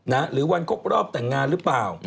หรือวันครบรอบแต่งงานหรือเปล่า